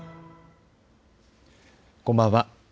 こんばんは。